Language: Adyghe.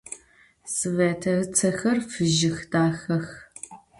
Svête ıtsexer fıjıx, daxex.